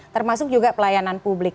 termasuk juga pelayanan publik